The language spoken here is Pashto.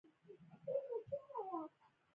کله چې خوشې شو نو په مجسمو پسې شو.